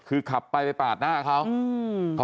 คือขับไปไปปาดหน้าเขาอืม